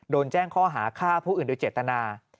โดนแจ้งข้อหาฆ่าผู้อื่นโดยเจตนา